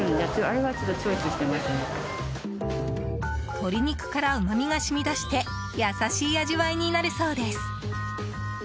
鶏肉からうまみが染み出して優しい味わいになるそうです。